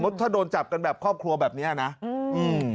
ถ้าโดนจับกันแบบครอบครัวแบบเนี้ยนะอืมอืม